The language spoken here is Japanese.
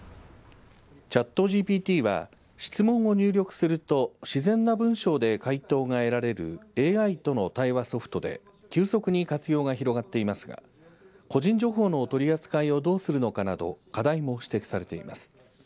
チャットＧＰＴは質問を入力すると自然な文章で回答が得られるＡＩとの対話ソフトで急速に活用が広がっていますが個人情報の取り扱いをどうするのかなど課題も指摘されています。